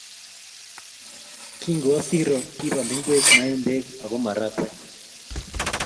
Kingowo siro kiboal ingwek, maembek ago marakwek